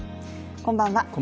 こんばんは。